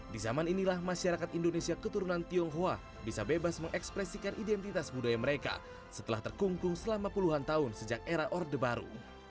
di zaman inilah masyarakat indonesia keturunan tionghoa bisa bebas mengekspresikan identitas budaya mereka setelah terkungkung selama puluhan tahun sejak era orde baru